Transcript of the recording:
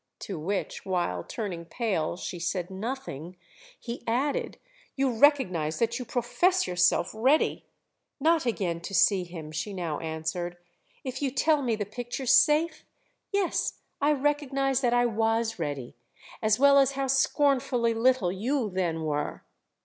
To which, while, turning pale, she said nothing, he added: "You recognise that you profess yourself ready——" "Not again to see him," she now answered, "if you tell me the picture's safe? Yes, I recognise that I was ready—as well as how scornfully little you then were!"